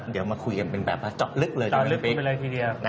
เดี๋ยวมาคุยกันเป็นแบบว่าเจาะลึกเลยตอนลึกไปเลยทีเดียว